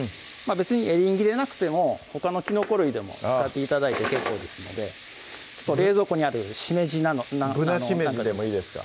別にエリンギでなくてもほかのきのこ類でも使って頂いて結構ですので冷蔵庫にあるしめじなんかでもぶなしめじでもいいですか？